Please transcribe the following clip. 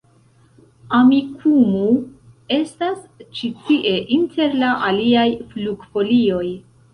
Amikumu estas ĉi tie inter la aliaj flugfolioj